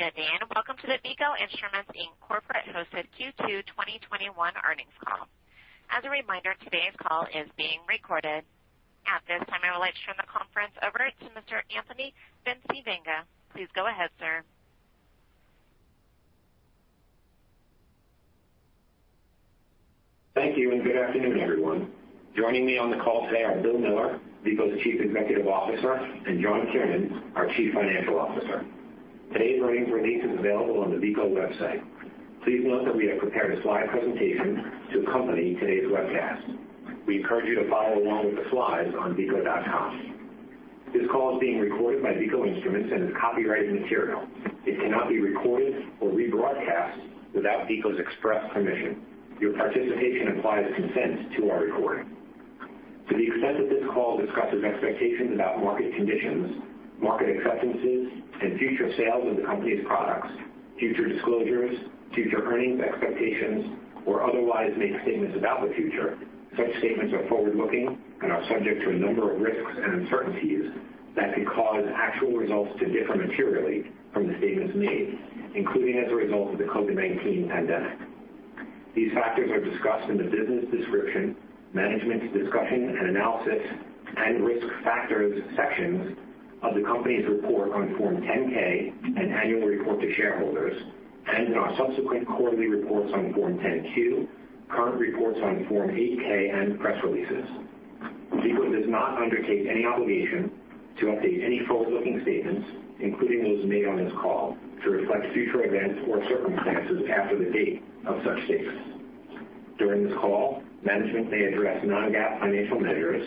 Good day, and welcome to the Veeco Instruments Inc. corporate-hosted Q2 2021 earnings call. As a reminder, today's call is being recorded. At this time, I would like to turn the conference over to Mr. Anthony Bencivenga. Please go ahead, sir. Thank you, and good afternoon, everyone. Joining me on the call today are Bill Miller, Veeco's Chief Executive Officer, and John Kiernan, our Chief Financial Officer. Today's earnings release is available on the Veeco website. Please note that we have prepared a slide presentation to accompany today's webcast. We encourage you to follow along with the slides on veeco.com. This call is being recorded by Veeco Instruments and is copyrighted material. It cannot be recorded or rebroadcast without Veeco's express permission. Your participation implies consent to our recording. To the extent that this call discusses expectations about market conditions, market acceptances, and future sales of the company's products, future disclosures, future earnings expectations, or otherwise makes statements about the future, such statements are forward-looking and are subject to a number of risks and uncertainties that could cause actual results to differ materially from the statements made, including as a result of the COVID-19 pandemic. These factors are discussed in the Business Description, Management's Discussion and Analysis, and Risk Factors sections of the company's report on Form 10-K and annual report to shareholders, and in our subsequent quarterly reports on Form 10-Q, current reports on Form 8-K and press releases. Veeco does not undertake any obligation to update any forward-looking statements, including those made on this call, to reflect future events or circumstances after the date of such statements. During this call, management may address non-GAAP financial measures.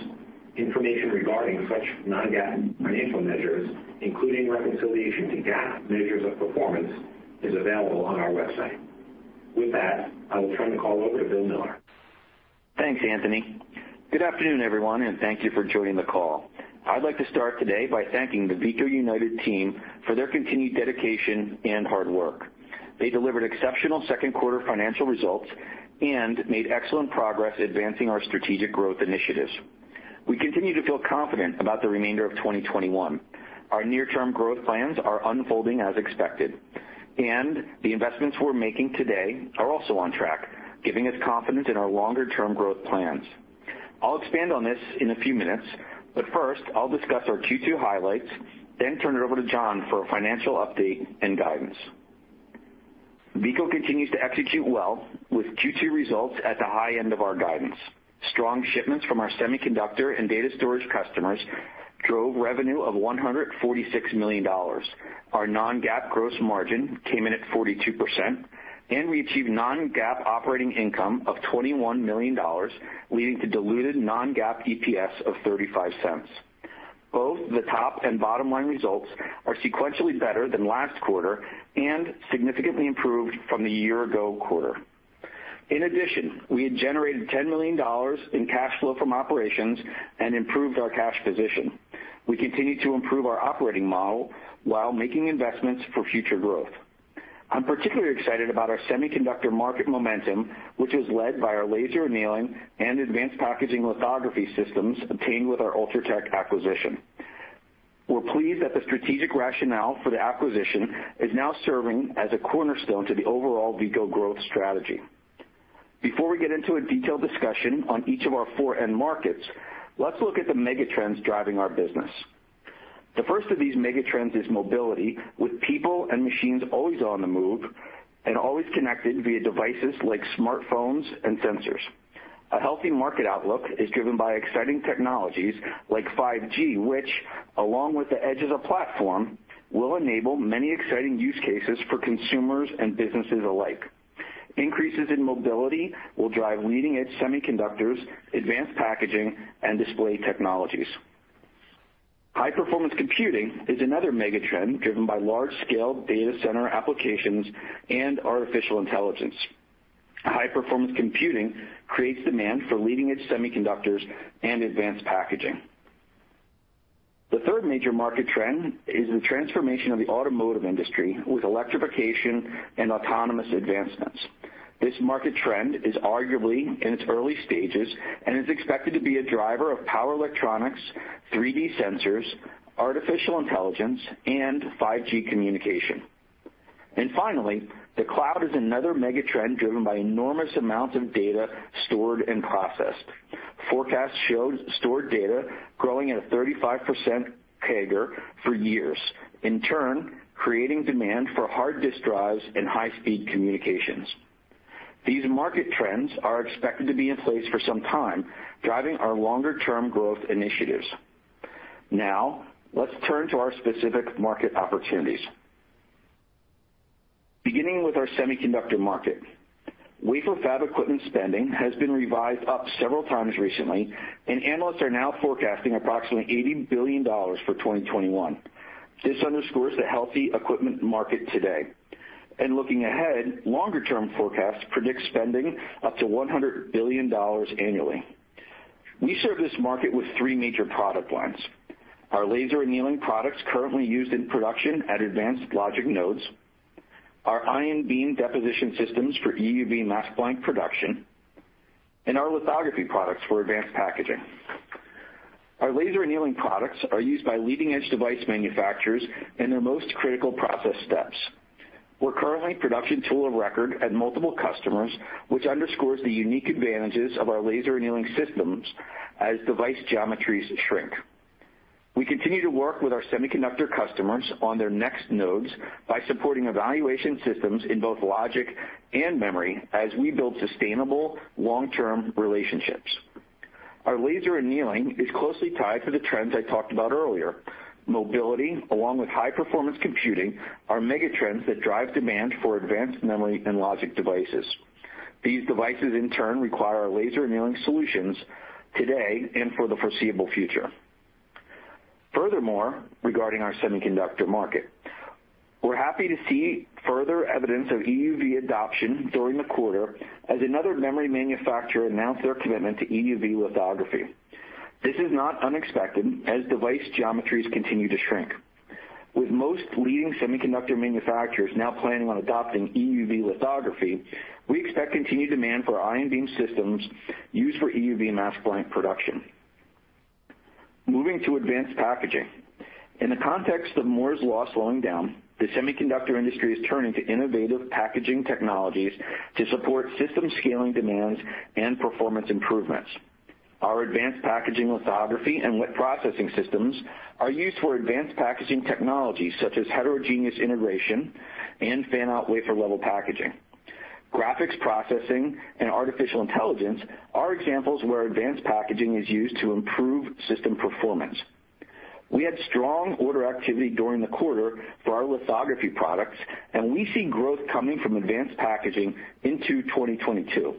Information regarding such non-GAAP financial measures, including reconciliation to GAAP measures of performance, is available on our website. With that, I will turn the call over to Bill Miller. Thanks, Anthony. Good afternoon, everyone, and thank you for joining the call. I'd like to start today by thanking the Veeco United team for their continued dedication and hard work. They delivered exceptional second quarter financial results and made excellent progress advancing our strategic growth initiatives. We continue to feel confident about the remainder of 2021. Our near-term growth plans are unfolding as expected, and the investments we're making today are also on track, giving us confidence in our longer-term growth plans. I'll expand on this in a few minutes, but first, I'll discuss our Q2 highlights, then turn it over to John for a financial update and guidance. Veeco continues to execute well with Q2 results at the high end of our guidance. Strong shipments from our semiconductor and data storage customers drove revenue of $146 million. Our non-GAAP gross margin came in at 42%, and we achieved non-GAAP operating income of $21 million, leading to diluted non-GAAP EPS of $0.35. Both the top and bottom-line results are sequentially better than last quarter and significantly improved from the year-ago quarter. In addition, we had generated $10 million in cash flow from operations and improved our cash position. We continue to improve our operating model while making investments for future growth. I'm particularly excited about our semiconductor market momentum, which is led by our laser annealing and advanced packaging lithography systems obtained with our Ultratech acquisition. We're pleased that the strategic rationale for the acquisition is now serving as a cornerstone to the overall Veeco growth strategy. Before we get into a detailed discussion on each of our four end markets, let's look at the mega trends driving our business. The first of these mega trends is mobility, with people and machines always on the move and always connected via devices like smartphones and sensors. A healthy market outlook is driven by exciting technologies like 5G, which, along with the edge as a platform, will enable many exciting use cases for consumers and businesses alike. Increases in mobility will drive leading-edge semiconductors, advanced packaging, and display technologies. High-performance computing is another mega trend driven by large-scale data center applications and artificial intelligence. High-performance computing creates demand for leading-edge semiconductors and advanced packaging. The third major market trend is the transformation of the automotive industry with electrification and autonomous advancements. This market trend is arguably in its early stages and is expected to be a driver of power electronics, 3D sensors, artificial intelligence, and 5G communication. Finally, the cloud is another mega trend driven by enormous amounts of data stored and processed. Forecasts show stored data growing at a 35% CAGR for years, in turn creating demand for hard disk drives and high-speed communications. These market trends are expected to be in place for some time, driving our longer-term growth initiatives. Let's turn to our specific market opportunities. Beginning with our semiconductor market. Wafer fab equipment spending has been revised up several times recently, and analysts are now forecasting approximately $80 billion for 2021. This underscores the healthy equipment market today. Looking ahead, longer-term forecasts predict spending up to $100 billion annually. We serve this market with three major product lines. Our laser annealing products currently used in production at advanced logic nodes, our ion beam deposition systems for EUV mask blank production, and our lithography products for advanced packaging. Our laser annealing products are used by leading-edge device manufacturers in their most critical process steps. We're currently production tool of record at multiple customers, which underscores the unique advantages of our laser annealing systems as device geometries shrink. We continue to work with our semiconductor customers on their next nodes by supporting evaluation systems in both logic and memory as we build sustainable long-term relationships. Our laser annealing is closely tied to the trends I talked about earlier. Mobility, along with high-performance computing, are mega trends that drive demand for advanced memory and logic devices. These devices, in turn, require our laser annealing solutions today and for the foreseeable future. Regarding our semiconductor market, we're happy to see further evidence of EUV adoption during the quarter as another memory manufacturer announced their commitment to EUV lithography. This is not unexpected as device geometries continue to shrink. With most leading semiconductor manufacturers now planning on adopting EUV lithography, we expect continued demand for ion beam systems used for EUV mask blank production. Moving to advanced packaging. In the context of Moore's Law slowing down, the semiconductor industry is turning to innovative packaging technologies to support system scaling demands and performance improvements. Our advanced packaging lithography and wet processing systems are used for advanced packaging technologies such as heterogeneous integration and fan-out wafer-level packaging. Graphics processing and artificial intelligence are examples where advanced packaging is used to improve system performance. We had strong order activity during the quarter for our lithography products, and we see growth coming from advanced packaging into 2022.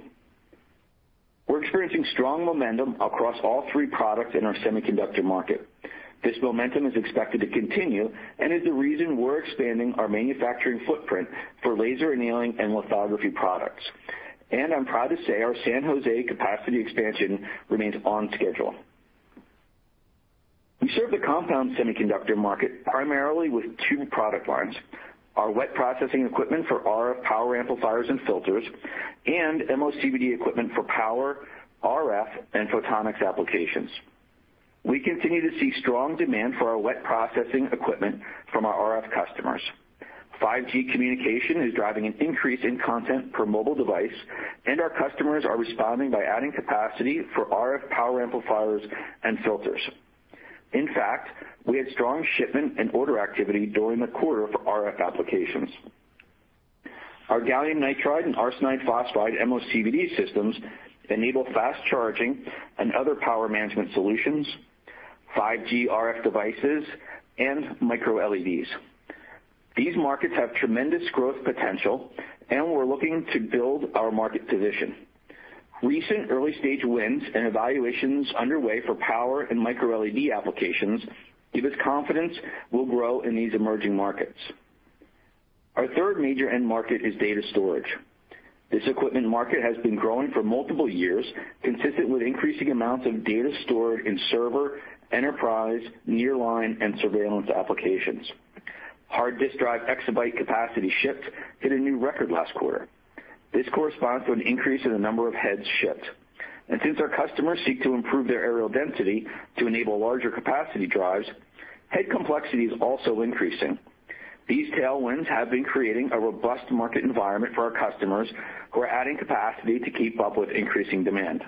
We're experiencing strong momentum across all three products in our semiconductor market. This momentum is expected to continue and is the reason we're expanding our manufacturing footprint for laser annealing and lithography products. I'm proud to say our San Jose capacity expansion remains on schedule. We serve the compound semiconductor market primarily with two product lines, our wet processing equipment for RF power amplifiers and filters, and MOCVD equipment for power, RF, and photonics applications. We continue to see strong demand for our wet processing equipment from our RF customers. 5G communication is driving an increase in content per mobile device, and our customers are responding by adding capacity for RF power amplifiers and filters. We had strong shipment and order activity during the quarter for RF applications. Our gallium nitride and arsenide phosphide MOCVD systems enable fast charging and other power management solutions, 5G RF devices, and micro-LEDs. These markets have tremendous growth potential, we're looking to build our market position. Recent early-stage wins and evaluations underway for power and micro-LED applications give us confidence we'll grow in these emerging markets. Our third major end market is data storage. This equipment market has been growing for multiple years, consistent with increasing amounts of data stored in server, enterprise, nearline, and surveillance applications. Hard disk drive exabyte capacity shipped hit a new record last quarter. This corresponds to an increase in the number of heads shipped. Since our customers seek to improve their areal density to enable larger capacity drives, head complexity is also increasing. These tailwinds have been creating a robust market environment for our customers who are adding capacity to keep up with increasing demand.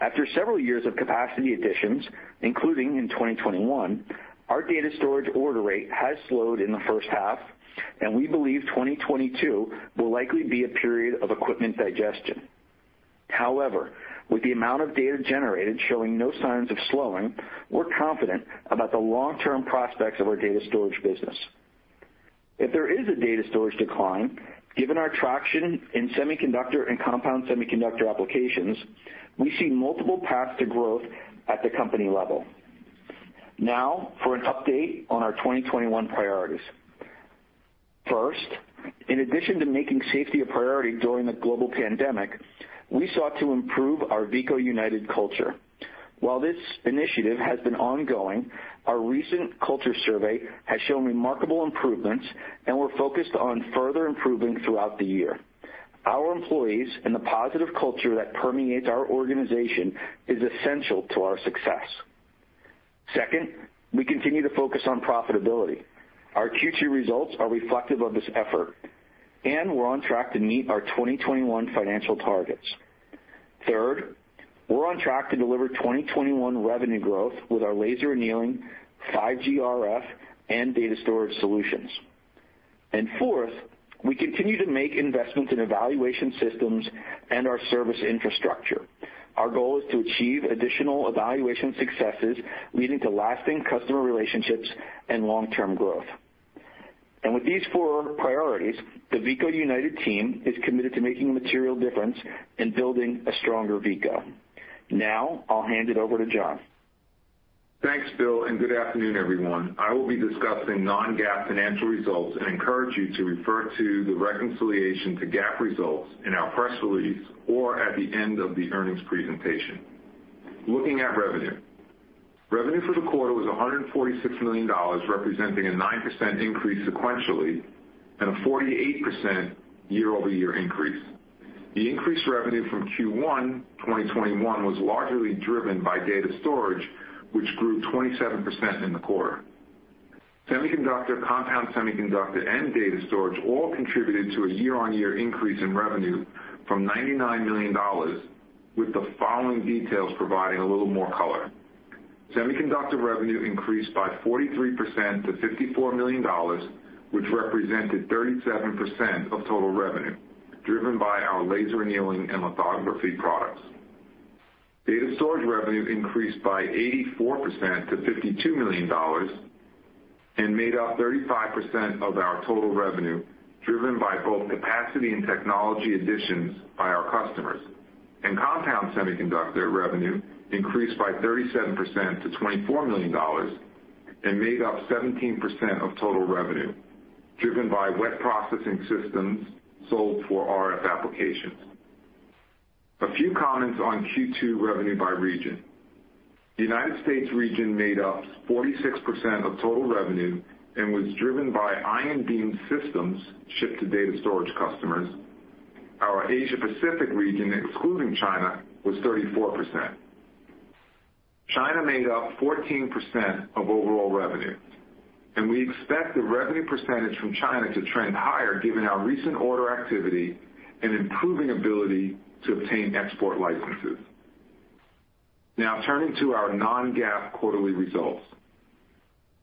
After several years of capacity additions, including in 2021, our data storage order rate has slowed in the first half, and we believe 2022 will likely be a period of equipment digestion. However, with the amount of data generated showing no signs of slowing, we're confident about the long-term prospects of our data storage business. If there is a data storage decline, given our traction in semiconductor and compound semiconductor applications, we see multiple paths to growth at the company level. Now for an update on our 2021 priorities. First, in addition to making safety a priority during the global pandemic, we sought to improve our Veeco United culture. While this initiative has been ongoing, our recent culture survey has shown remarkable improvements, and we're focused on further improving throughout the year. Our employees and the positive culture that permeates our organization is essential to our success. Second, we continue to focus on profitability. Our Q2 results are reflective of this effort, and we're on track to meet our 2021 financial targets. Third, we're on track to deliver 2021 revenue growth with our laser annealing, 5G RF, and data storage solutions. Fourth, we continue to make investments in evaluation systems and our service infrastructure. Our goal is to achieve additional evaluation successes, leading to lasting customer relationships and long-term growth. With these four priorities, the Veeco United team is committed to making a material difference in building a stronger Veeco. Now, I'll hand it over to John. Thanks, Bill. Good afternoon, everyone. I will be discussing non-GAAP financial results and encourage you to refer to the reconciliation to GAAP results in our press release or at the end of the earnings presentation. Looking at revenue. Revenue for the quarter was $146 million, representing a 9% increase sequentially and a 48% year-over-year increase. The increased revenue from Q1 2021 was largely driven by Data Storage, which grew 27% in the quarter. Semiconductor, compound semiconductor, and Data Storage all contributed to a year-on-year increase in revenue from $99 million, with the following details providing a little more color. Semiconductor revenue increased by 43% to $54 million, which represented 37% of total revenue, driven by our laser annealing and lithography products. Data Storage revenue increased by 84% to $52 million and made up 35% of our total revenue, driven by both capacity and technology additions by our customers. Compound semiconductor revenue increased by 37% to $24 million and made up 17% of total revenue, driven by wet processing systems sold for RF applications. A few comments on Q2 revenue by region. The United States region made up 46% of total revenue and was driven by ion beam systems shipped to data storage customers. Our Asia Pacific region, excluding China, was 34%. China made up 14% of overall revenue, and we expect the revenue percentage from China to trend higher given our recent order activity and improving ability to obtain export licenses. Now turning to our non-GAAP quarterly results.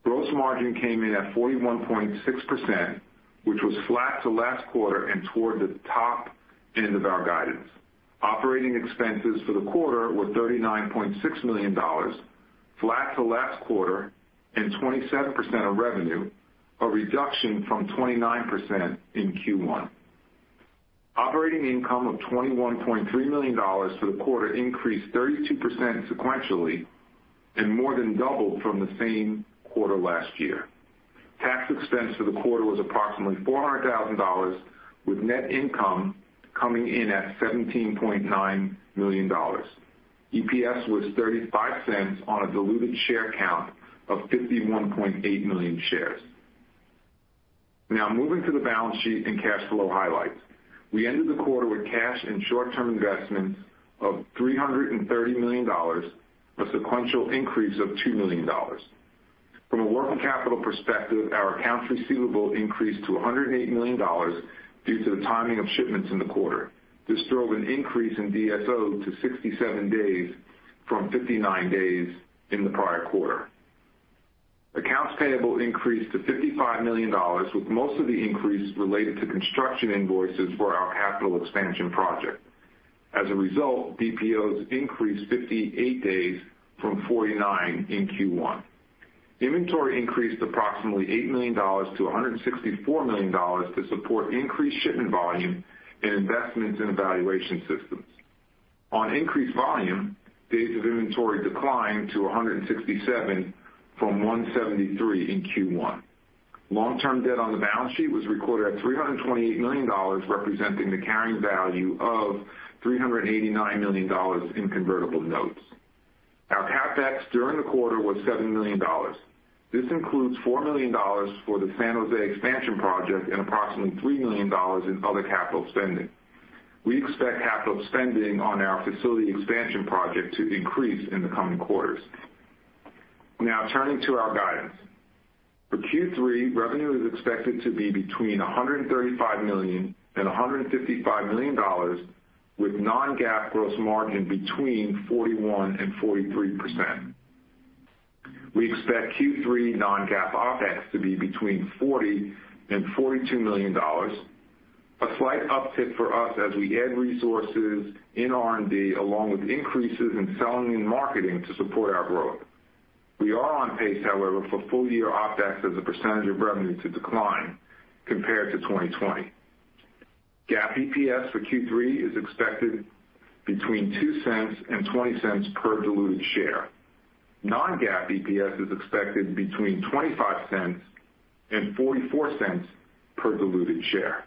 Gross margin came in at 41.6%, which was flat to last quarter and toward the top end of our guidance. Operating expenses for the quarter were $39.6 million, flat to last quarter and 27% of revenue, a reduction from 29% in Q1. Operating income of $21.3 million for the quarter increased 32% sequentially and more than doubled from the same quarter last year. Tax expense for the quarter was approximately $400,000, with net income coming in at $17.9 million. EPS was $0.35 on a diluted share count of 51.8 million shares. Moving to the balance sheet and cash flow highlights. We ended the quarter with cash and short-term investments of $330 million, a sequential increase of $2 million. From a working capital perspective, our accounts receivable increased to $108 million due to the timing of shipments in the quarter. This drove an increase in DSO to 67 days from 59 days in the prior quarter. Accounts payable increased to $55 million, with most of the increase related to construction invoices for our capital expansion project. DPO increased 58 days from 49 in Q1. Inventory increased approximately $8 million to $164 million to support increased shipment volume and investments in evaluation systems. On increased volume, days of inventory declined to 167 from 173 in Q1. Long-term debt on the balance sheet was recorded at $328 million, representing the carrying value of $389 million in convertible notes. Our CapEx during the quarter was $7 million. This includes $4 million for the San Jose expansion project and approximately $3 million in other capital spending. We expect capital spending on our facility expansion project to increase in the coming quarters. Now turning to our guidance. For Q3, revenue is expected to be between $135 million and $155 million, with non-GAAP gross margin between 41% and 43%. We expect Q3 non-GAAP OpEx to be between $40 million and $42 million, a slight uptick for us as we add resources in R&D, along with increases in selling and marketing to support our growth. We are on pace, however, for full-year OpEx as a percentage of revenue to decline compared to 2020. GAAP EPS for Q3 is expected between $0.02 and $0.20 per diluted share. Non-GAAP EPS is expected between $0.25 and $0.44 per diluted share.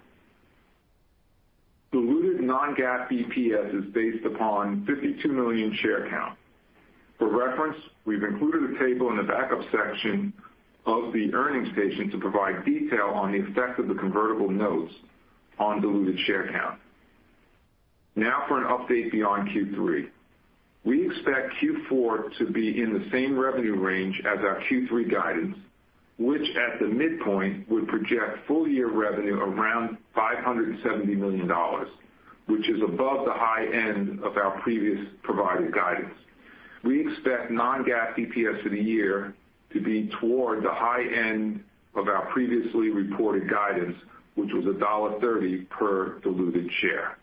Diluted non-GAAP EPS is based upon 52 million share count. For reference, we've included a table in the backup section of the earnings statement to provide detail on the effect of the convertible notes on diluted share count. For an update beyond Q3. We expect Q4 to be in the same revenue range as our Q3 guidance, which at the midpoint would project full-year revenue around $570 million, which is above the high end of our previously provided guidance. We expect non-GAAP EPS for the year to be toward the high end of our previously reported guidance, which was $1.30 per diluted share.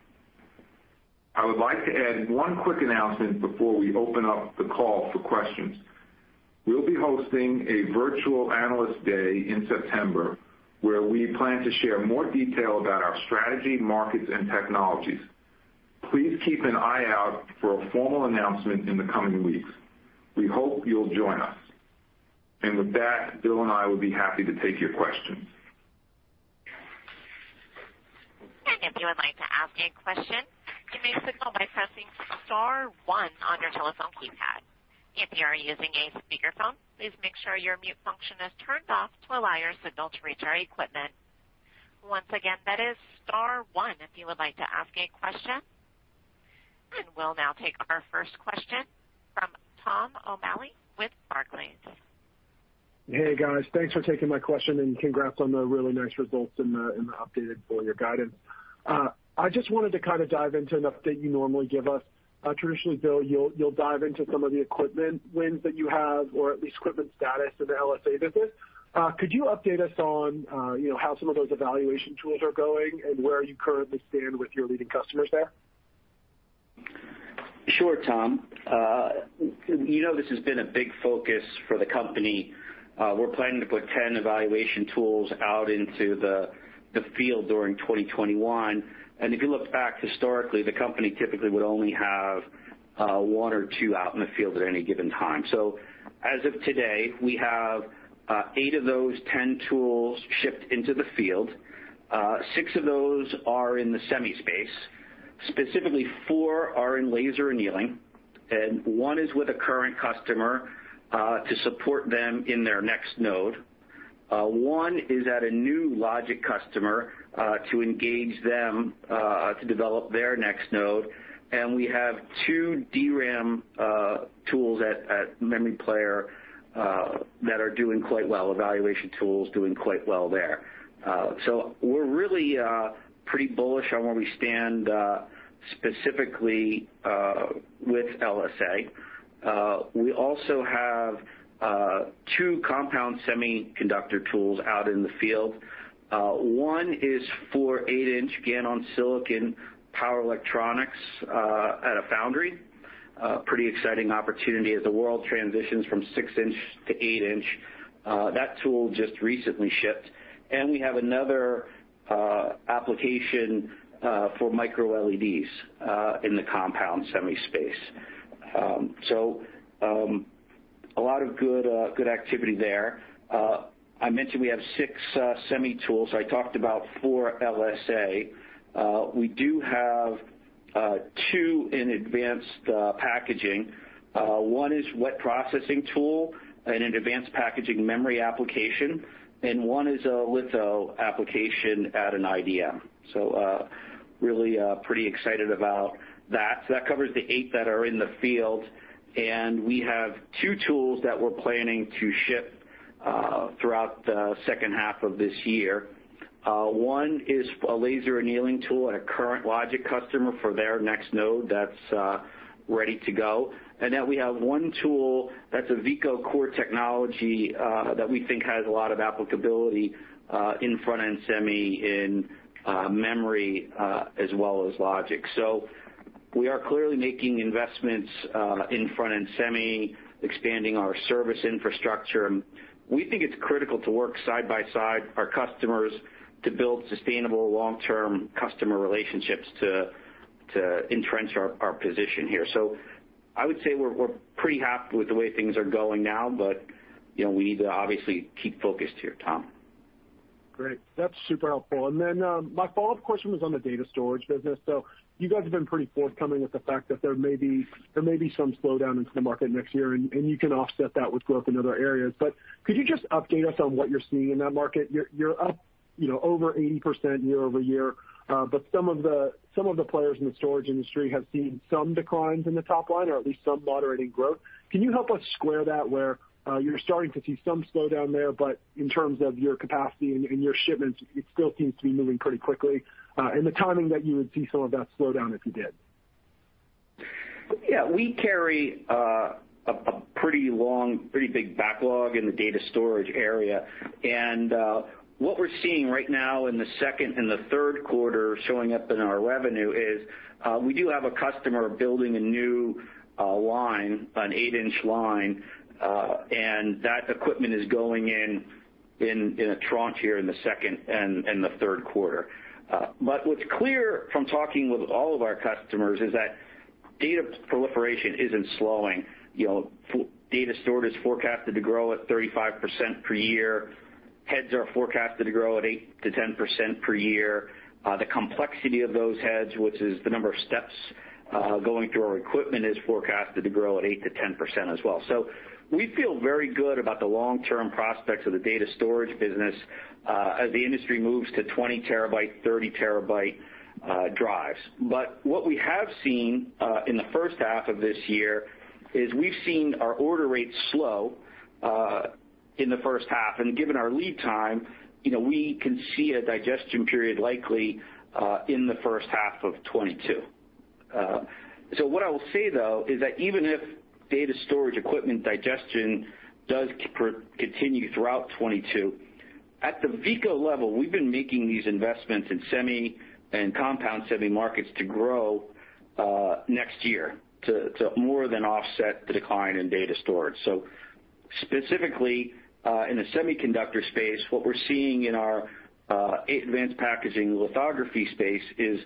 I would like to add one quick announcement before we open up the call for questions. We'll be hosting a virtual Analyst Day in September, where we plan to share more detail about our strategy, markets, and technologies. Please keep an eye out for a formal announcement in the coming weeks. We hope you'll join us. With that, Bill and I will be happy to take your questions. If you would like to ask a question, you may signal by pressing star one on your telephone keypad. If you are using a speakerphone, please make sure your mute function is turned off to allow your signal to reach our equipment. Once again, that is star one if you would like to ask a question. We'll now take our first question from Tom O'Malley with Barclays. Hey, guys. Thanks for taking my question. Congrats on the really nice results and the updated full-year guidance. I just wanted to kind of dive into an update you normally give us. Traditionally, Bill, you'll dive into some of the equipment wins that you have, or at least equipment status in the LSA business. Could you update us on how some of those evaluation tools are going and where you currently stand with your leading customers there? Sure, Tom. You know this has been a big focus for the company. We're planning to put 10 evaluation tools out into the field during 2021. If you look back historically, the company typically would only have one or two out in the field at any given time. As of today, we have eight of those 10 tools shipped into the field. Six of those are in the semi space. Specifically, four are in laser annealing, one is with a current customer, to support them in their next node. One is at a new logic customer, to engage them to develop their next node. We have two DRAM tools at memory player that are doing quite well, evaluation tools doing quite well there. We're really pretty bullish on where we stand specifically with LSA. We also have two compound semiconductor tools out in the field. One is for 8 in GaN on silicon power electronics at a foundry. A pretty exciting opportunity as the world transitions from 6 in to 8 in. That tool just recently shipped. We have another application for micro-LEDs in the compound semi space. A lot of good activity there. I mentioned we have six semi tools. I talked about four LSA. We do have two in advanced packaging. One is wet processing tool in an advanced packaging memory application, and one is a litho application at an IDM. Really pretty excited about that. That covers the eight that are in the field, and we have two tools that we're planning to ship throughout the second half of this year. One is a laser annealing tool at a current logic customer for their next node that's ready to go. We have one tool that's a Veeco core technology, that we think has a lot of applicability in front-end semi, in memory, as well as logic. We are clearly making investments in front-end semi, expanding our service infrastructure. We think it's critical to work side by side our customers to build sustainable long-term customer relationships to entrench our position here. I would say we're pretty happy with the way things are going now, but we need to obviously keep focused here, Tom. Great. That's super helpful. Then, my follow-up question was on the data storage business. You guys have been pretty forthcoming with the fact that there may be some slowdown into the market next year, and you can offset that with growth in other areas. Could you just update us on what you're seeing in that market? You're up over 80% year-over-year, but some of the players in the storage industry have seen some declines in the top line, or at least some moderating growth. Can you help us square that, where you're starting to see some slowdown there, but in terms of your capacity and your shipments, it still seems to be moving pretty quickly, and the timing that you would see some of that slowdown if you did? Yeah. We carry a pretty big backlog in the data storage area. What we're seeing right now in the second and third quarter showing up in our revenue is we do have a customer building a new line, an 8 in line, and that equipment is going in in a tranche here in the second and third quarter. What's clear from talking with all of our customers is that data proliferation isn't slowing. Data storage is forecasted to grow at 35% per year. Heads are forecasted to grow at 8%-10% per year. The complexity of those heads, which is the number of steps going through our equipment, is forecasted to grow at 8%-10% as well. We feel very good about the long-term prospects of the data storage business as the industry moves to 20 TB, 30 TB drives. What we have seen in the first half of this year is we've seen our order rates slow in the first half, and given our lead time, we can see a digestion period likely in the first half of 2022. What I will say, though, is that even if data storage equipment digestion does continue throughout 2022, at the Veeco level, we've been making these investments in semi and compound semi markets to grow next year, to more than offset the decline in data storage. Specifically, in the semiconductor space, what we're seeing in our advanced packaging lithography space is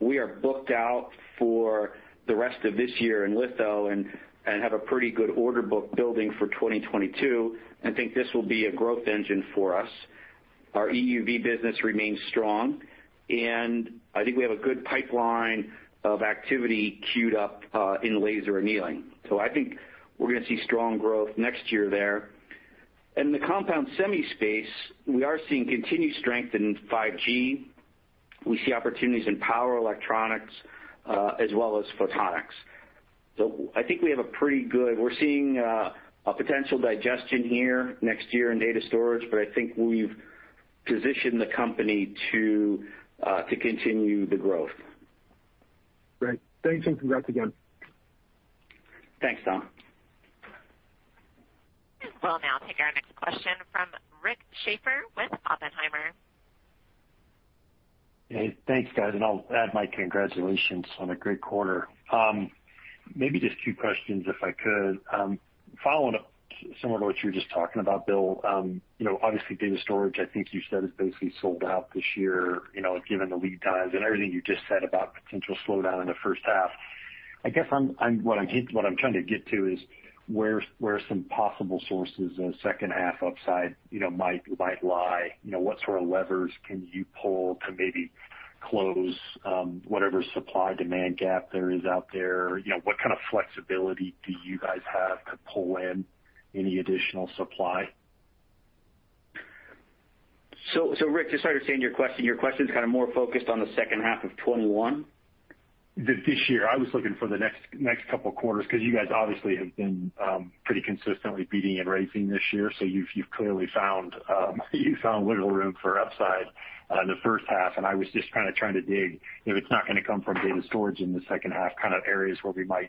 we are booked out for the rest of this year in litho and have a pretty good order book building for 2022, and think this will be a growth engine for us. Our EUV business remains strong, and I think we have a good pipeline of activity queued up in laser annealing. I think we're going to see strong growth next year there. In the compound semi space, we are seeing continued strength in 5G. We see opportunities in power electronics as well as photonics. I think we're seeing a potential digestion here next year in data storage, but I think we've positioned the company to continue the growth. Great. Thanks and congrats again. Thanks, Tom. We'll now take our next question from Rick Schafer with Oppenheimer. Hey, thanks, guys. I'll add my congratulations on a great quarter. Maybe just two questions if I could. Following up similar to what you were just talking about, Bill, obviously data storage, I think you said, is basically sold out this year, given the lead times and everything you just said about potential slowdown in the first half. I guess what I'm trying to get to is where some possible sources of second half upside might lie. What sort of levers can you pull to maybe close whatever supply-demand gap there is out there? What kind of flexibility do you guys have to pull in any additional supply? Rick, just so I understand your question, your question is kind of more focused on the second half of 2021? This year. I was looking for the next couple of quarters, because you guys obviously have been pretty consistently beating and raising this year, so you've clearly found a little room for upside in the first half, and I was just kind of trying to dig, if it's not going to come from data storage in the second half, kind of areas where we might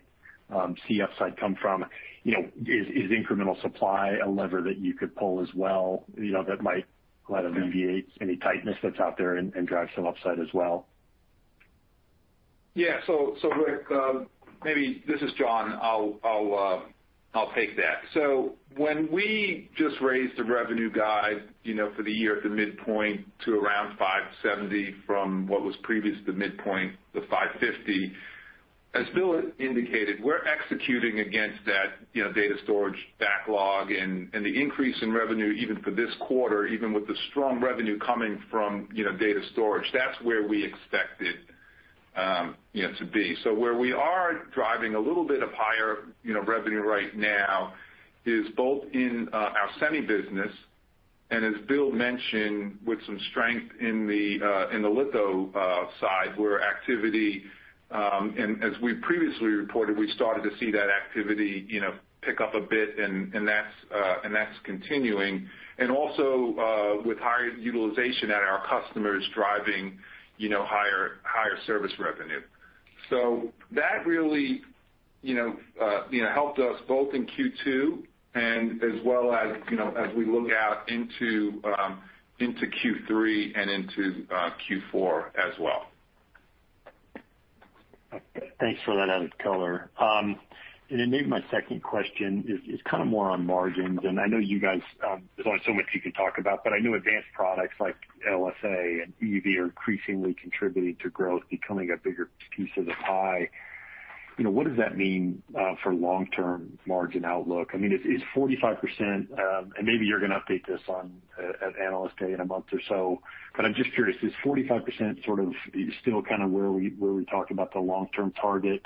see upside come from. Is incremental supply a lever that you could pull as well, that might kind of alleviate any tightness that's out there and drive some upside as well? Rick, maybe, this is John, I'll take that. When we just raised the revenue guide for the year at the midpoint to around $570 from what was previous to midpoint, the $550, as Bill indicated, we're executing against that data storage backlog, and the increase in revenue even for this quarter, even with the strong revenue coming from data storage. That's where we expect it to be. Where we are driving a little bit of higher revenue right now is both in our semi business, and as Bill mentioned, with some strength in the litho side, where activity, and as we previously reported, we started to see that activity pick up a bit, and that's continuing. Also with higher utilization at our customers driving higher service revenue. That really helped us both in Q2 and as well as as we look out into Q3 and into Q4 as well. Thanks for that added color. Maybe my second question is kind of more on margins, and I know you guys, there's only so much you can talk about, but I know advanced products like LSA and EUV are increasingly contributing to growth, becoming a bigger piece of the pie. What does that mean for long-term margin outlook? I mean, is 45%, and maybe you're going to update this at Analyst Day in a month or so, but I'm just curious, is 45% sort of still kind of where we talk about the long-term target?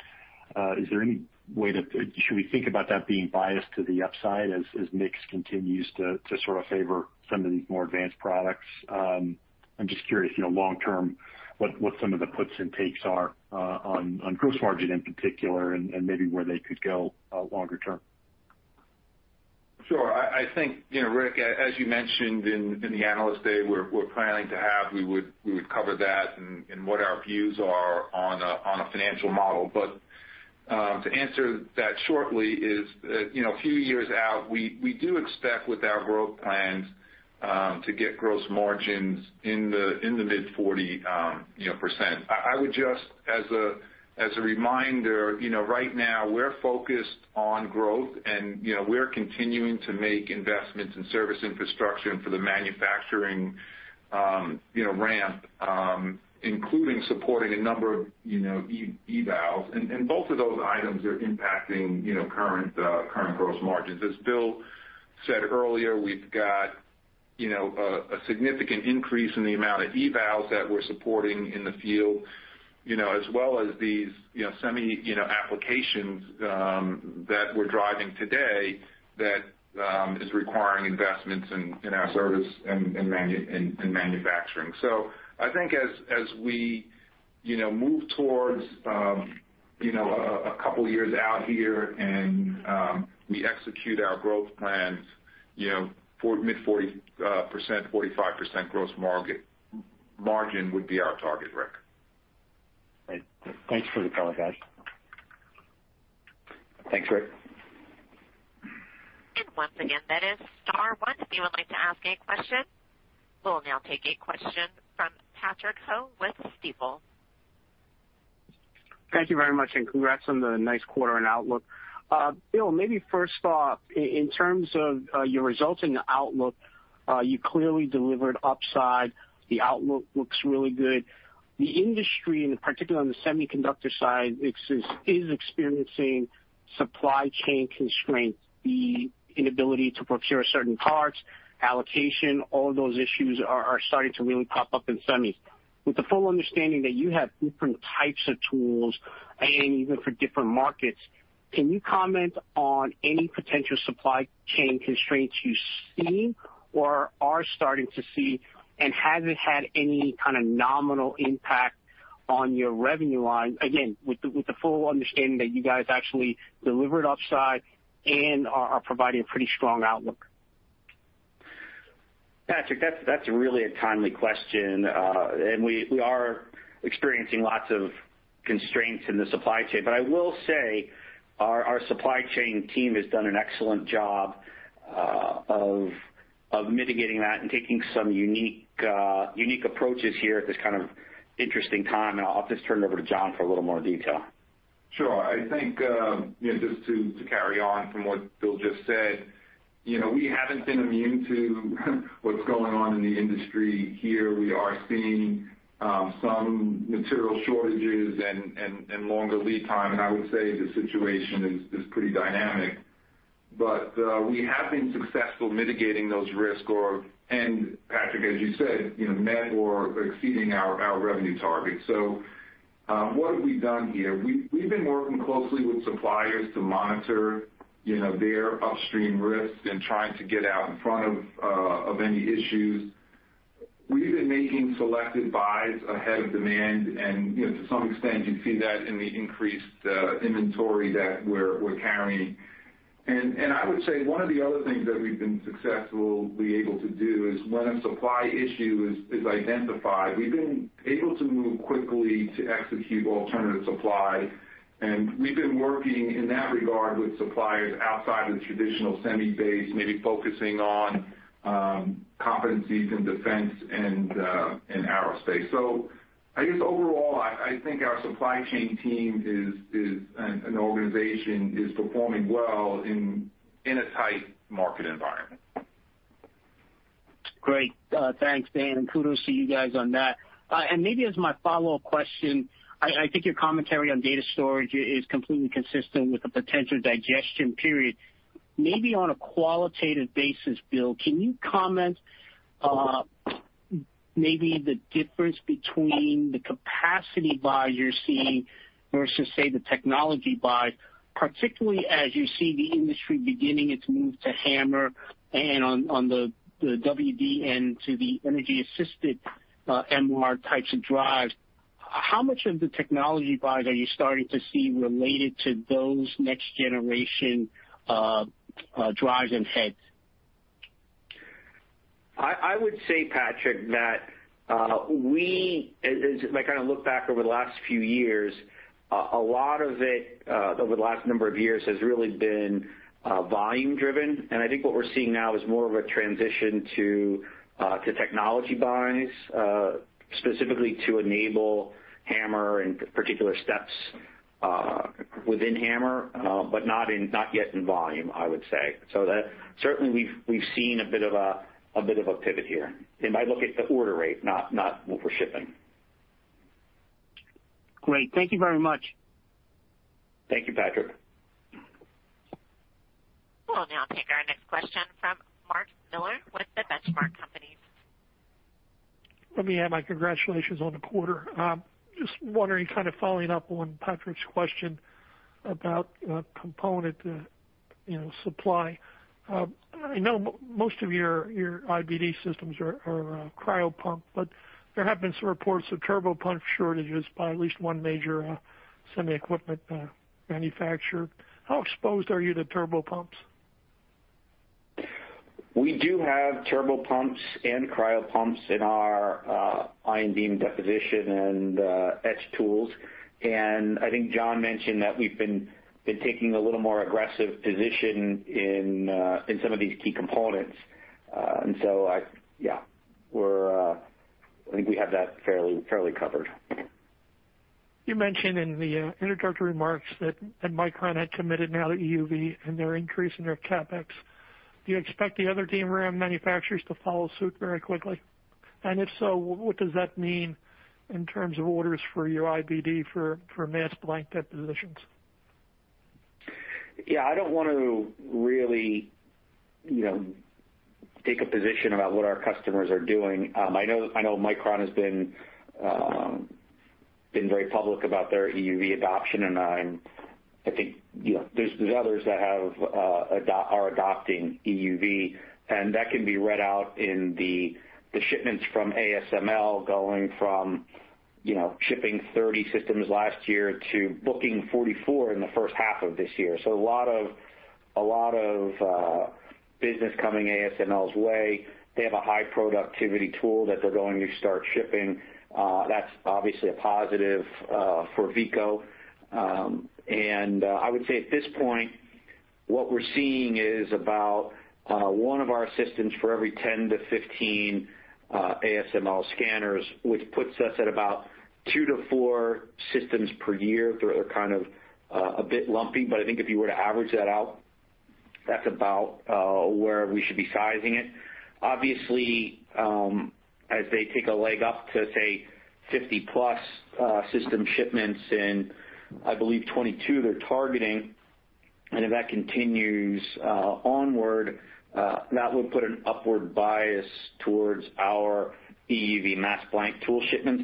Should we think about that being biased to the upside as mix continues to sort of favor some of these more advanced products? I'm just curious long term, what some of the puts and takes are on gross margin in particular, and maybe where they could go longer term. Sure. I think Rick, as you mentioned, in the Analyst Day we're planning to have, we would cover that and what our views are on a financial model. To answer that shortly is a few years out, we do expect with our growth plans to get gross margins in the mid-40%. I would just, as a reminder, right now we're focused on growth, and we're continuing to make investments in service infrastructure and for the manufacturing ramp, including supporting a number of evals, and both of those items are impacting current gross margins. As Bill said earlier, we've got a significant increase in the amount of evals that we're supporting in the field, as well as these semi applications that we're driving today that is requiring investments in our service and manufacturing. I think as we move towards a couple of years out here, and we execute our growth plans, mid-40%, 45% gross margin would be our target, Rick. Great. Thanks for the color, guys. Thanks, Rick. Once again, that is star one if you would like to ask a question. We'll now take a question from Patrick Ho with Stifel. Thank you very much, and congrats on the nice quarter and outlook. Bill, maybe first off, in terms of your results and your outlook, you clearly delivered upside. The outlook looks really good. The industry, and particularly on the semiconductor side, is experiencing supply chain constraints, the inability to procure certain parts, allocation, all those issues are starting to really pop up in semis. With the full understanding that you have different types of tools and even for different markets, can you comment on any potential supply chain constraints you see or are starting to see, and has it had any kind of nominal impact on your revenue line? Again, with the full understanding that you guys actually delivered upside and are providing a pretty strong outlook. Patrick, that's really a timely question. We are experiencing lots of constraints in the supply chain. I will say, our supply chain team has done an excellent job of mitigating that and taking some unique approaches here at this kind of interesting time. I'll just turn it over to John for a little more detail. Sure. I think, just to carry on from what Bill just said, we haven't been immune to what's going on in the industry here. We are seeing some material shortages and longer lead time. I would say the situation is pretty dynamic. We have been successful mitigating those risks or, Patrick, as you said, met or exceeding our revenue targets. What have we done here? We've been working closely with suppliers to monitor their upstream risks and trying to get out in front of any issues. We've been making selective buys ahead of demand. To some extent, you see that in the increased inventory that we're carrying. I would say one of the other things that we've been successfully able to do is when a supply issue is identified, we've been able to move quickly to execute alternative supply. We've been working in that regard with suppliers outside of the traditional semi base, maybe focusing on competencies in defense and aerospace. I guess overall, I think our supply chain team and organization is performing well in a tight market environment. Great. Thanks, John, kudos to you guys on that. Maybe as my follow-up question, I think your commentary on data storage is completely consistent with a potential digestion period. Maybe on a qualitative basis, Bill, can you comment maybe the difference between the capacity buys you're seeing versus, say, the technology buys, particularly as you see the industry beginning its move to HAMR and on the WDC to the energy-assisted MR types of drives. How much of the technology buys are you starting to see related to those next-generation drives and heads? I would say, Patrick, that as I kind of look back over the last few years, a lot of it over the last number of years has really been volume driven, and I think what we're seeing now is more of a transition to technology buys, specifically to enable HAMR and particular steps within HAMR, but not yet in volume, I would say. Certainly, we've seen a bit of a pivot here, and by look at the order rate, not move or shipping. Great. Thank you very much. Thank you, Patrick. We'll now take our next question from Mark Miller with The Benchmark Company. Let me add my congratulations on the quarter. Just wondering, kind of following up on Patrick's question about component supply. I know most of your IBD systems are cryopump, but there have been some reports of turbomolecular pump shortages by at least one major semi equipment manufacturer. How exposed are you to turbo pumps? We do have turbo pumps and cryopumps in our ion beam deposition and etch tools. I think John mentioned that we've been taking a little more aggressive position in some of these key components. I think we have that fairly covered. You mentioned in the introductory remarks that Micron had committed now to EUV and they're increasing their CapEx. Do you expect the other DRAM manufacturers to follow suit very quickly? If so, what does that mean in terms of orders for your IBD for mask blank depositions? Yeah, I don't want to really take a position about what our customers are doing. I know Micron has been very public about their EUV adoption, and I think there's others that are adopting EUV, and that can be read out in the shipments from ASML going from shipping 30 systems last year to booking 44 in the first half of this year. A lot of business coming ASML's way. They have a high-productivity tool that they're going to start shipping. That's obviously a positive for Veeco. I would say at this point, what we're seeing is about one of our systems for every 10-15 ASML scanners, which puts us at about two to four systems per year. They're kind of a bit lumpy, but I think if you were to average that out, that's about where we should be sizing it. Obviously, as they take a leg up to, say, 50+ system shipments in, I believe 2022, they're targeting, and if that continues onward, that would put an upward bias towards our EUV mask blank tool shipments.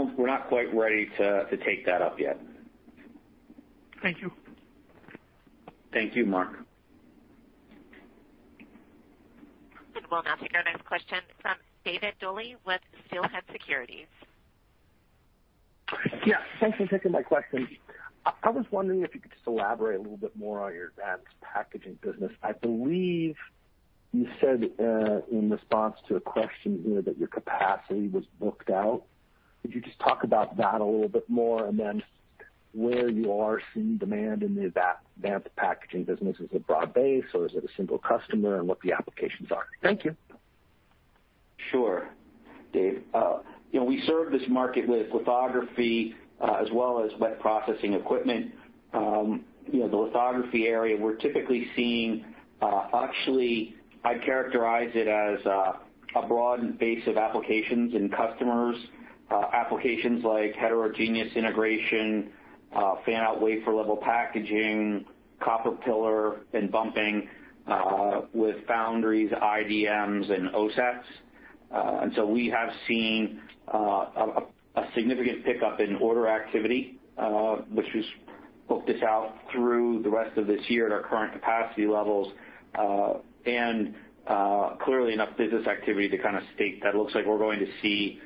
We're not quite ready to take that up yet. Thank you. Thank you, Mark. We'll now take our next question from David Duley with Steelhead Securities. Yeah, thanks for taking my question. I was wondering if you could just elaborate a little bit more on your advanced packaging business. I believe you said, in response to a question earlier, that your capacity was booked out. Could you just talk about that a little bit more, and then where you are seeing demand in the advanced packaging business? Is it broad-based, or is it a single customer, and what the applications are? Thank you. Sure, Dave. We serve this market with lithography as well as wet processing equipment. The lithography area, actually, I'd characterize it as a broad base of applications and customers. Applications like heterogeneous integration, fan-out wafer-level packaging, copper pillar, and bumping with foundries, IDMs, and OSATs. We have seen a significant pickup in order activity, which has booked us out through the rest of this year at our current capacity levels. Clearly enough business activity to kind of state that it looks like we're going to see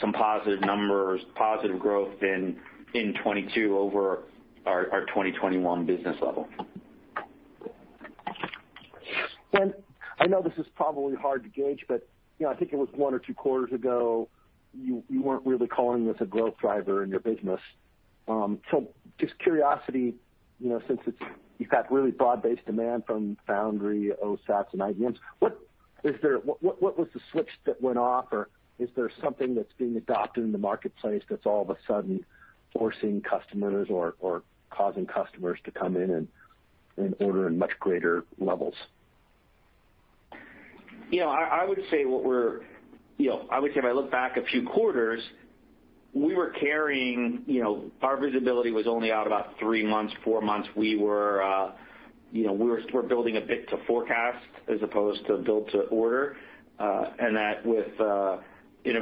some positive numbers, positive growth in 2022 over our 2021 business level. I know this is probably hard to gauge, but I think it was one or two quarters ago, you weren't really calling this a growth driver in your business. Just curiosity, since you've got really broad-based demand from foundry, OSATs, and IDMs, what was the switch that went off? Is there something that's being adopted in the marketplace that's all of a sudden forcing customers or causing customers to come in and order in much greater levels? I would say if I look back a few quarters, our visibility was only out about three months, four months. We're building a bit to forecast as opposed to build to order. That in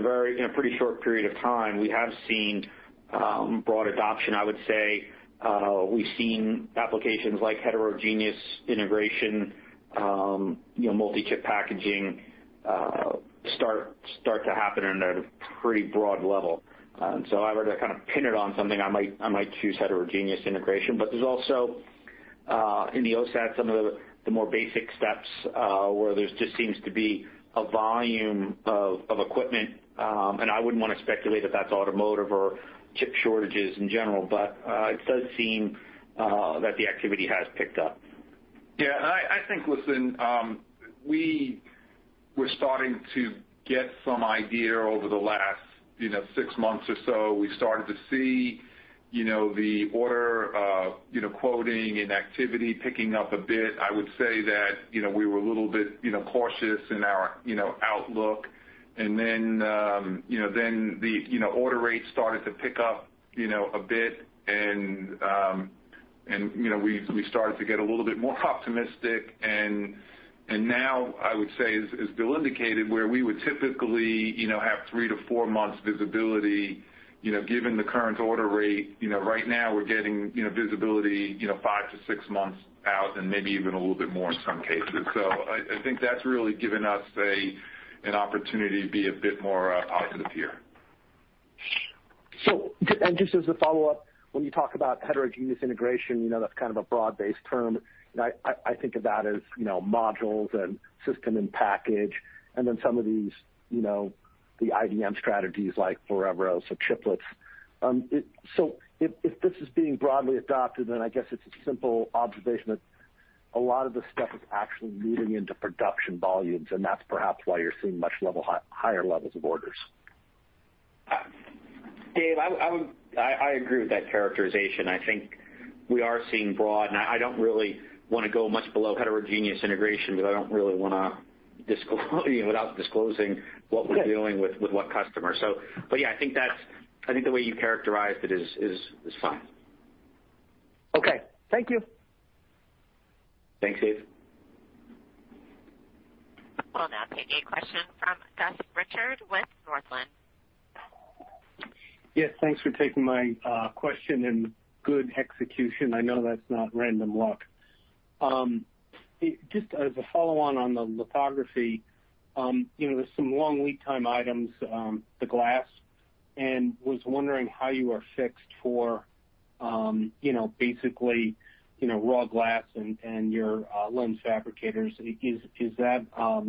a pretty short period of time, we have seen broad adoption. I would say we've seen applications like heterogeneous integration, multi-chip packaging, start to happen in a pretty broad level. If I were to kind of pin it on something, I might choose heterogeneous integration. There's also, in the OSAT, some of the more basic steps, where there just seems to be a volume of equipment. I wouldn't want to speculate if that's automotive or chip shortages in general, but it does seem that the activity has picked up. I think, listen, we were starting to get some idea over the last 6 months or so. We started to see the order quoting and activity picking up a bit. I would say that we were a little bit cautious in our outlook. The order rates started to pick up a bit, and we started to get a little bit more optimistic. Now, I would say, as Bill indicated, where we would typically have three to four months visibility, given the current order rate, right now we're getting visibility five to six months out and maybe even a little bit more in some cases. I think that's really given us an opportunity to be a bit more positive here. Just as a follow-up, when you talk about heterogeneous integration, that's kind of a broad-based term. I think of that as modules and system in package, some of these IDM strategies like Foveros or chiplets. If this is being broadly adopted, I guess it's a simple observation that a lot of the stuff is actually moving into production volumes, that's perhaps why you're seeing much higher levels of orders. Dave, I agree with that characterization. I think we are seeing broad, and I don't really want to go much below heterogeneous integration, because I don't really want to disclose what we're doing with what customer. Yeah, I think the way you characterized it is fine. Okay. Thank you. Thanks, Dave. We'll now take a question from Gus Richard with Northland. Yes, thanks for taking my question. Good execution. I know that's not random luck. Just as a follow-on on the lithography, there's some long lead time items, the glass. Was wondering how you are fixed for basically raw glass and your lens fabricators. Is that a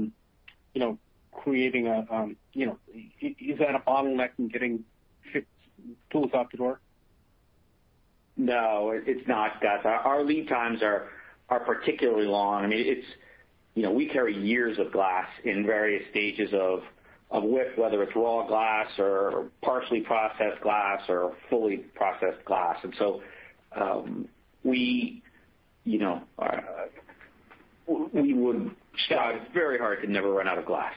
bottleneck in getting fixed tools out the door? No, it's not, Gus. Our lead times are particularly long. We carry years of glass in various stages of width, whether it's raw glass or partially processed glass or fully processed glass. We would try very hard to never run out of glass.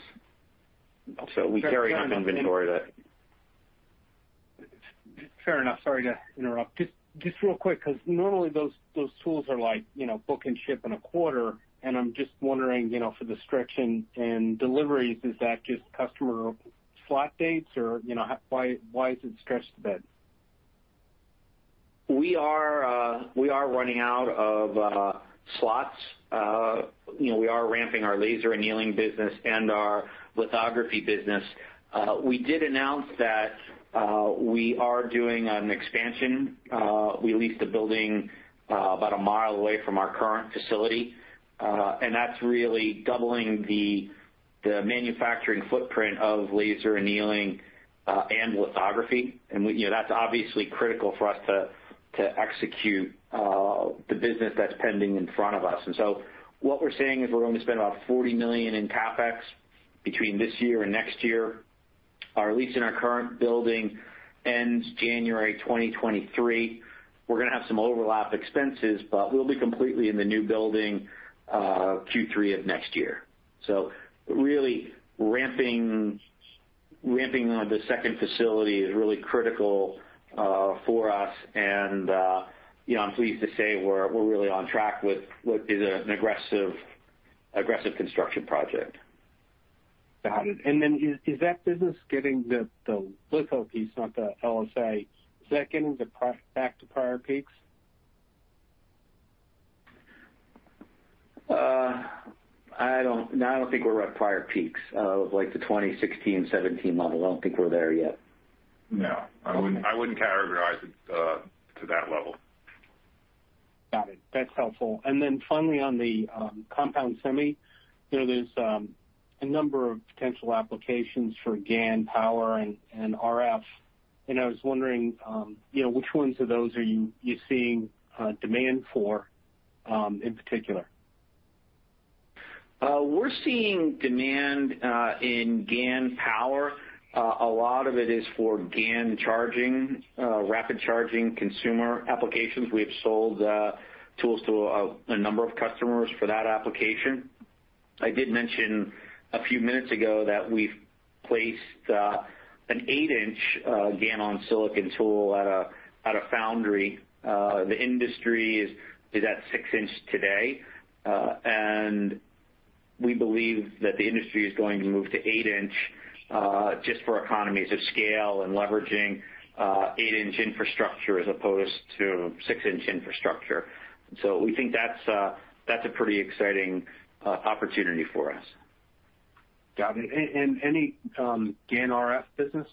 We carry enough inventory to- Fair enough. Sorry to interrupt. Just real quick, because normally those tools are book and ship in a quarter, and I'm just wondering, for the stretch in deliveries, is that just customer slot dates or why is it stretched a bit? We are running out of slots. We are ramping our laser annealing business and our lithography business. We did announce that we are doing an expansion. We leased a building about a mile away from our current facility. That's really doubling the manufacturing footprint of laser annealing and lithography. That's obviously critical for us to execute the business that's pending in front of us. What we're saying is we're going to spend about $40 million in CapEx between this year and next year. Our lease in our current building ends January 2023. We're going to have some overlap expenses, but we'll be completely in the new building Q3 of next year. Really ramping the second facility is really critical for us. I'm pleased to say we're really on track with what is an aggressive construction project. Got it. Then is that business getting the litho piece, not the LSA, is that getting back to prior peaks? No, I don't think we're at prior peaks, of like the 2016, 2017 level. I don't think we're there yet. No, I wouldn't categorize it to that level. Got it. That's helpful. Finally, on the compound semi, there's a number of potential applications for GaN power and RF, and I was wondering which ones of those are you seeing demand for in particular. We're seeing demand in GaN power. A lot of it is for GaN rapid charging consumer applications. We have sold tools to a number of customers for that application. I did mention a few minutes ago that we've placed an 8 in GaN on silicon tool at a foundry. The industry is at 6 in today. We believe that the industry is going to move to 8 in, just for economies of scale and leveraging 8 in infrastructure as opposed to 6 in infrastructure. We think that's a pretty exciting opportunity for us. Got it. Any GaN RF business?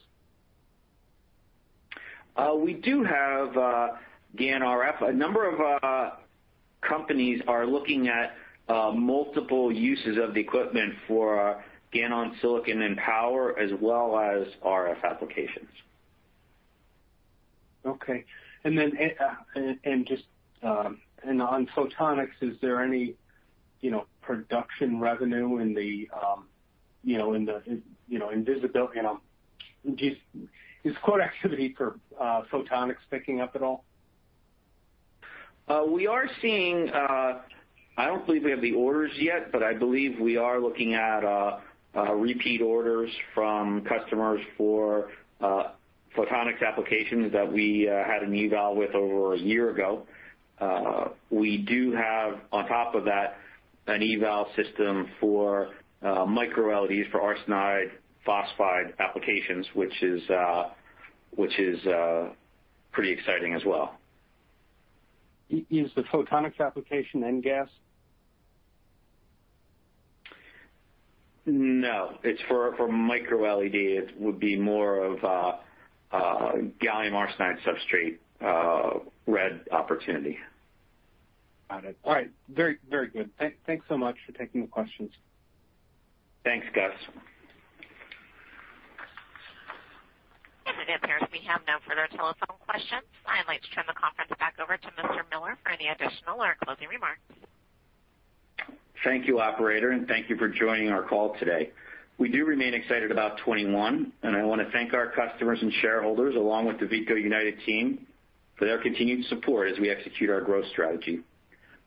We do have GaN RF. A number of companies are looking at multiple uses of the equipment for GaN on silicon and power, as well as RF applications. Okay. On photonics, is there any production revenue in the visibility? Is quote activity for photonics picking up at all? I don't believe we have the orders yet, but I believe we are looking at repeat orders from customers for photonics applications that we had an eval with over a year ago. We do have, on top of that, an eval system for micro-LEDs for arsenide phosphide applications, which is pretty exciting as well. Is the photonics application InGaAs? No, it's for micro-LED. It would be more of a gallium arsenide substrate red opportunity. Got it. All right. Very good. Thanks so much for taking the questions. Thanks, Gus. It appears we have no further telephone questions. I'd like to turn the conference back over to Mr. Miller for any additional or closing remarks. Thank you, operator, thank you for joining our call today. We do remain excited about 2021, and I want to thank our customers and shareholders, along with the Veeco United team, for their continued support as we execute our growth strategy.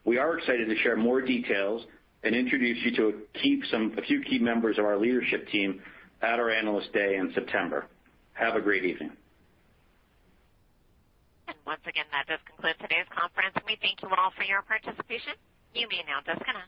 We are excited to share more details and introduce you to a few key members of our leadership team at our Analyst Day in September. Have a great evening. Once again, that does conclude today's conference. We thank you all for your participation. You may now disconnect.